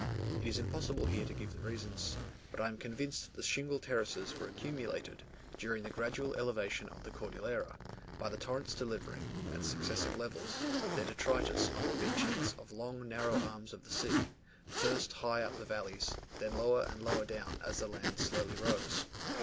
It is impossible here to give the reasons, but I am convinced that the shingle terraces were accumulated, during the gradual elevation of the Cordillera, by the torrents delivering, at successive levels, their detritus on the beachheads of long narrow arms of the sea, first high up the valleys, then lower and lower down as the land slowly rose.